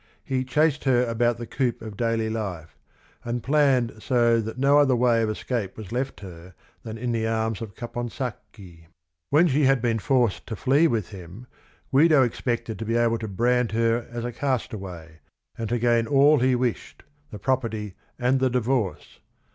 He "chased her about the coop of daily life" and planned so that no other way of escape was left her than in the arms of Capon sacchi. When she had been forced to flee with him, Guido expected to be able to brand her as a castaway, and to gain all he wished, the property and the divorce.